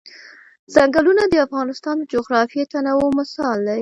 ځنګلونه د افغانستان د جغرافیوي تنوع مثال دی.